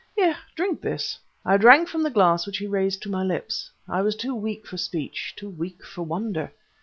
"Here drink this." I drank from the glass which he raised to my lips. I was too weak for speech, too weak for wonder.